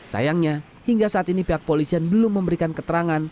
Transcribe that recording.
sayangnya hingga saat ini pihak polisian belum memberikan keterangan